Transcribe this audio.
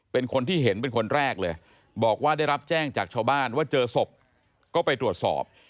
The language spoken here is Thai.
เป็นคนที่เห็นเป็นคนแรกเลยบอกว่าได้รับแจ้งจากชาวบ้านว่าเจอศพก็ไปตรวจสอบ